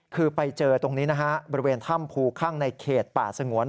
คือไปเจอตรงนี้นะฮะบริเวณถ้ำภูข้างในเขตป่าสงวน